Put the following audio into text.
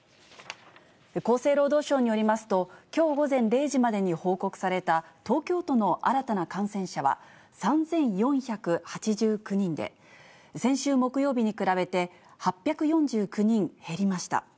厚生労働省によりますと、きょう午前０時までに報告された東京都の新たな感染者は、３４８９人で、先週木曜日に比べて、８４９人減りました。